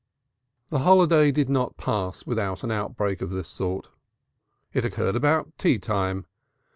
To day's holiday did not pass without an outbreak of this sort. It occurred about tea time.